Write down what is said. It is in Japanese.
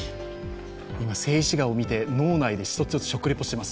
今、静止画を見て、脳内で１つ１つ食レポしています。